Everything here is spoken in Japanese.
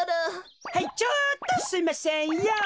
はいちょっとすいませんヨー。